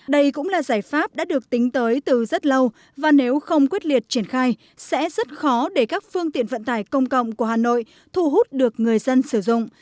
đây cũng là giải pháp đã được tính tới từ rất lâu và nếu không quyết liệt triển khai sẽ rất khó để các phương tiện vận tải công cộng của hà nội thu hút được người dân sử dụng